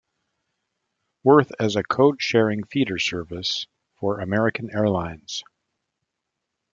Worth as a code sharing feeder service for American Airlines.